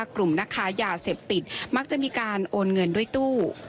กลุ่มนักค้ายาเสพติดมักจะมีการโอนเงินด้วยตู้